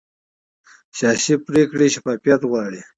سیاسي پرېکړې شفافیت غواړي